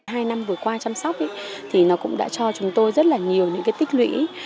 hai năm vừa qua chăm sóc thì nó cũng đã cho chúng tôi rất là nhiều những cái tích lũy